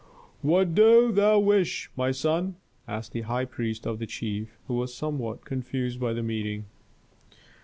"What dost thou wish, my son?" asked the high priest of the chief, who was somewhat confused by the meeting.